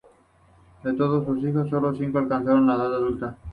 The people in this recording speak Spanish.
De todos sus hijos, sólo cinco alcanzaron la edad adulta.